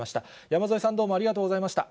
山添さん、どうもありがとうございました。